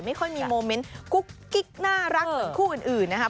ไม่ค่อยมีโมเมนต์กุ๊กกิ๊กน่ารักเหมือนคู่อื่นนะครับ